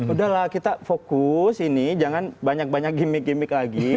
udahlah kita fokus ini jangan banyak banyak gimmick gimmick lagi